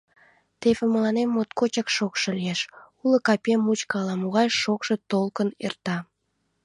Теве мыланем моткочак шокшо лиеш, уло капем мучко ала-могай шокшо толкын эрта...